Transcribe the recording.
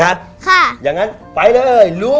ค่ะยังงั้นไปเลยลุย